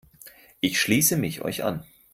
Ich schließe mich euch an.